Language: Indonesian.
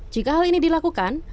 jika hal ini dilakukan